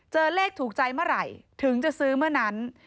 เลขถูกใจเมื่อไหร่ถึงจะซื้อเมื่อนั้น